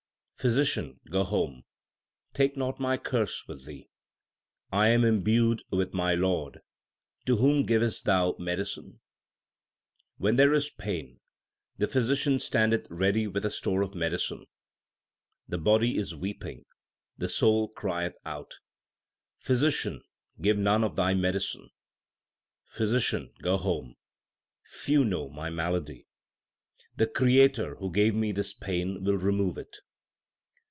1 Physician, go home ; take not my curse with thee. I am imbued with my Lord; to whom givest thou medicine? When there is pain, the physician standeth ready with a store of medicine : The body is weeping, the soul crieth out, Physician, give none of thy medicine. Physician, go home, few know my malady. The Creator who gave me this pain, will remove it.